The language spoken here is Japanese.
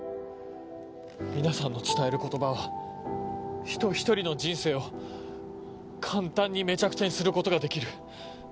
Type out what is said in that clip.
皆さんの伝える言葉は人ひとりの人生を簡単にめちゃくちゃにすることができる。